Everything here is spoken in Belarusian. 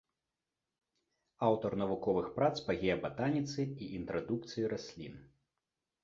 Аўтар навуковых прац па геабатаніцы і інтрадукцыі раслін.